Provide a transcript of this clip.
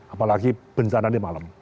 apalagi bencana di malam